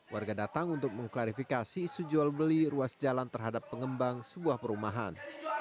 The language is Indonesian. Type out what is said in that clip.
warga datang untuk mengklarifikasi isu jual beli ruas jalan terhadap pengembang sebuah perumahan